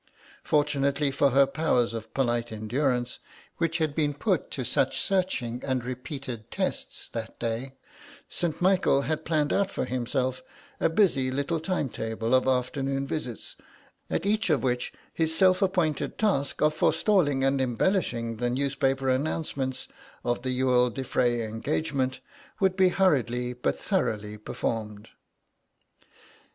Fortunately for her powers of polite endurance, which had been put to such searching and repeated tests that day, St. Michael had planned out for himself a busy little time table of afternoon visits, at each of which his self appointed task of forestalling and embellishing the newspaper announcements of the Youghal de Frey engagement would be hurriedly but thoroughly performed.